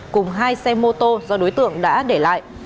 cùng hai xe mô tô do đối tượng đã để lại